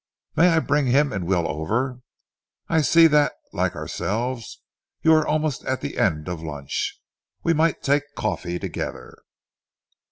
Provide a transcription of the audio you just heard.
May I bring him and Will over? I see that, like ourselves, you are almost at the end of lunch. We might take coffee together."